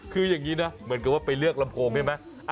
คืออย่างนี้นะเหมือนกับว่าไปเลือกลำโพงใช่ไหม